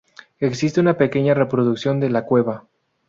Existe una pequeña reproducción de la cueva.